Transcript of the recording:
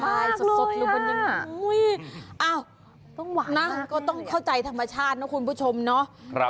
ใช่สดลงไปหนึ่งอ้าวต้องเข้าใจธรรมชาตินะคุณผู้ชมเนาะ